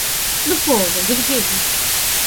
Ну полно, Евгений.